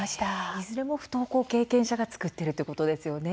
いずれも不登校経験者が作っているということですね。